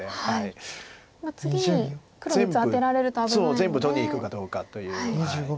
全部取りにいくかどうかという。